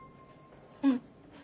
うん。